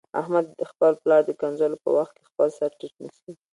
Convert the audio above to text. احمد د خپل پلار د کنځلو په وخت کې خپل سرټیټ نیسي.